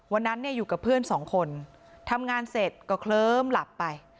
วันนั้นเนี่ยอยู่กับเพื่อนสองคนทำงานเสร็จก็เคลิ้มหลับไป